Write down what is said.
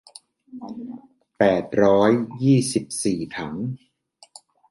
แปดร้อยยี่สิบสี่ถัง